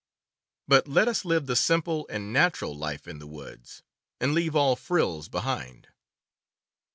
But let us live the simple, natural life in the woods, and leave all frills behind."